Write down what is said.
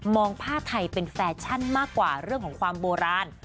ผ้าไทยเป็นแฟชั่นมากกว่าเรื่องของความโบราณ